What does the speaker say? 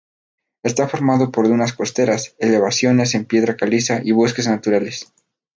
Está formado por dunas costeras, elevaciones en piedra caliza y bosques naturales.